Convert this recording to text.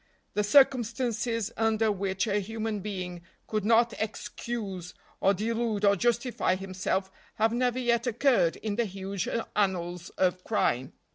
The circumstances under which a human being could not excuse or delude or justify himself have never yet occurred in the huge annals of crime.